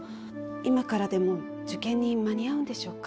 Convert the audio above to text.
今からでも受験に間に合うんでしょうか？